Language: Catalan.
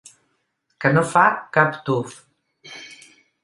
Que no fa cap tuf.